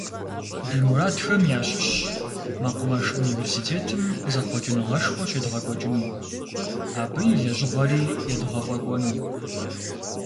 Ди мурадхэм ящыщщ мэкъумэш университетым зэхъуэкӏыныгъэшхуэ щедгъэкӏуэкӏыну, абы и лэжьыгъэри едгъэфӏэкӏуэну.